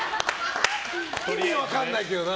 意味分かんないけどな。